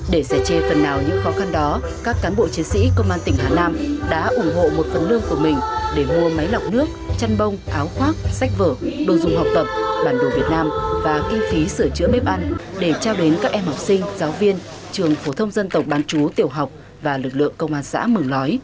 để giải chê phần nào những khó khăn đó các cán bộ chiến sĩ công an tỉnh hà nam đã ủng hộ một phần lương của mình để mua máy lọc nước chăn bông áo khoác sách vở đồ dùng học tập bản đồ việt nam và kinh phí sửa chữa bếp ăn để trao đến các em học sinh giáo viên trường phổ thông dân tộc bán chú tiểu học và lực lượng công an xã mường lói